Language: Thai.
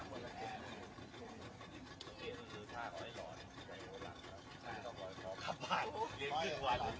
แถมที่การกิจกรรมนครรภ์นโยคครับได้กลายเปิดการในวันนี้ครับ